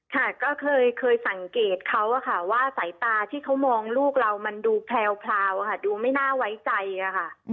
ค่ะก็เคยสังเกตเขาอะค่ะว่าสายตาที่เขามองลูกเรามันดูแพลวค่ะดูไม่น่าไว้ใจอะค่ะ